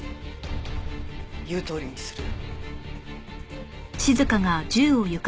言うとおりにする。